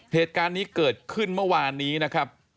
เหตุการณ์นี้เกิดขึ้นเมื่อวานนี้นะครับ